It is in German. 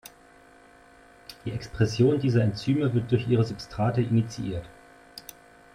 Die Expression dieser Enzyme wird durch ihre Substrate initiiert.